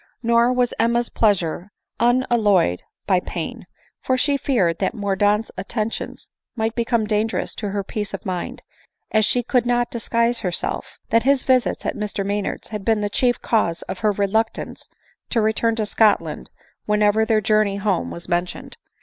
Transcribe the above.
Nor was Emma's pleasure unalloyed by pain ; for she feared that Mordaunt's attentions might be come dangerous to her peace of mind, as she could not disguise to herself, that his visits at Mr. Maynard's had been the chief cause of her reluctance to return to Scot land whenever their journey home was mentioned.